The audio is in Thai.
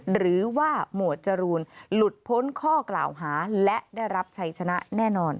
หมวดจรูนหลุดพ้นข้อกล่าวหาและได้รับชัยชนะแน่นอน